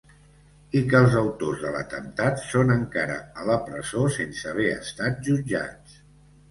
I que els autors de l'atemptat són encara a la presó sense haver estat jutjats.